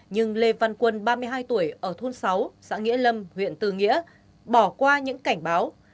nhưng lê văn quân ba mươi hai tuổi ở thôn sáu xã nghĩa lâm huyện tư nghĩa bỏ qua những cảnh báo